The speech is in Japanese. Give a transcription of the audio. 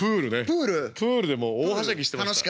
プールでもう大はしゃぎしてました。